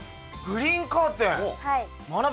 グリーンカーテン。